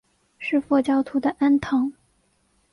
是佛教徒的庵堂。